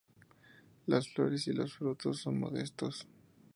Las flores y los frutos son modestos.